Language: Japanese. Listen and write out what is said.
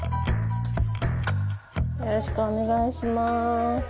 よろしくお願いします。